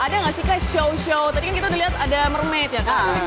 ada nggak sih show show tadi kan kita udah lihat ada mermaid ya kak